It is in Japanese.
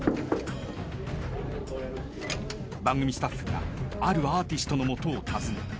［番組スタッフがあるアーティストの元を訪ねた］